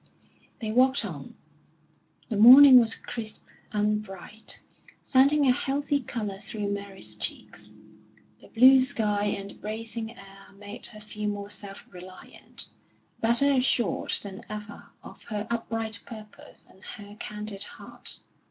They walked on. The morning was crisp and bright, sending a healthy colour through Mary's cheeks. The blue sky and the bracing air made her feel more self reliant, better assured than ever of her upright purpose and her candid heart.